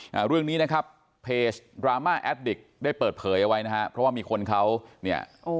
อ่าเรื่องนี้นะครับเพจดราม่าแอดดิกได้เปิดเผยเอาไว้นะฮะเพราะว่ามีคนเขาเนี่ยโอ้